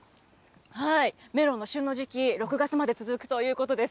メロンの旬の時期、６月まで続くということです。